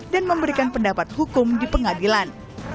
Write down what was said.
dan memberikan pendapat hukum di pengadilan